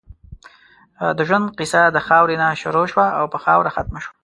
د ژؤند قیصه د خاؤرې نه شروع شوه او پۀ خاؤره ختمه شوه